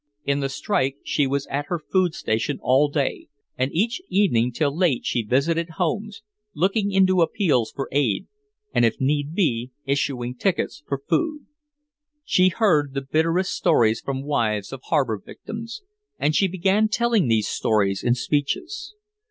In the strike she was at her food station all day, and each evening till late she visited homes, looking into appeals for aid and if need be issuing tickets for food. She heard the bitterest stories from wives of harbor victims, and she began telling these stories in speeches.